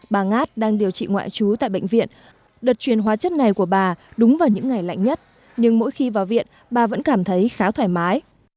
bà ngát đang điều trị ngoại trú tại bệnh viện đợt truyền hóa chất này của bà đúng vào những ngày lạnh nhất nhưng mỗi khi vào viện bà vẫn cảm thấy khá thoải mái